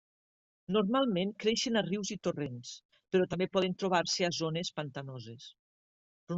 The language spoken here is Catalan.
Normalment creixen a rius i torrents, però també poden trobar-se a zones pantanoses.